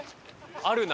あるな！